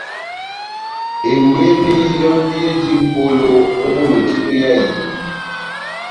Ebwemi yɔ́ndi eji mʼpolo ó bolo títo yá ehiyi.